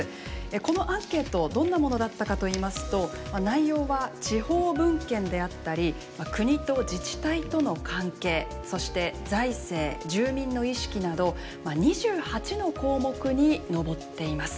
このアンケートどんなものだったかといいますと内容は地方分権であったり国と自治体との関係そして財政住民の意識など２８の項目に上っています。